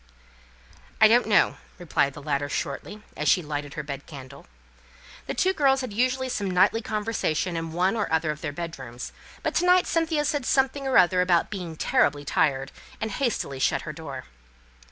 "I don't know," replied the latter, shortly, as she lighted her bed candle. The two girls had usually some nightly conversation in one or other of their bed rooms; but to night Cynthia said something or other about being terribly tired, and hastily shut her door.